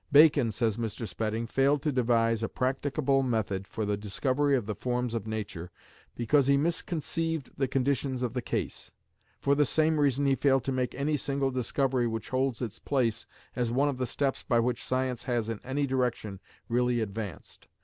"Bacon," says Mr. Spedding, "failed to devise a practicable method for the discovery of the Forms of Nature, because he misconceived the conditions of the case.... For the same reason he failed to make any single discovery which holds its place as one of the steps by which science has in any direction really advanced.